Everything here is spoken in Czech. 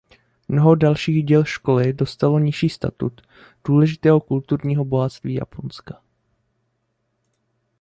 Mnoho dalších děl školy dostalo nižší statut „důležitého kulturního bohatství Japonska“.